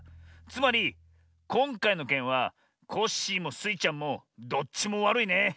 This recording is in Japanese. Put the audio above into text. つまりこんかいのけんはコッシーもスイちゃんもどっちもわるいね。